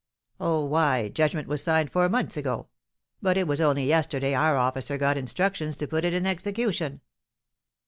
"Oh, why, judgment was signed four months ago! But it was only yesterday our officer got instructions to put it in execution."